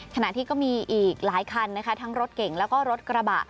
ขณะที่ก็มีอีกหลายคันนะคะทั้งรถเก่งแล้วก็รถกระบะ